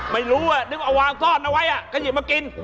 ไม่รู้นึกว่าเอาวางซ่อนเอาไว้ก็หยิบมากิน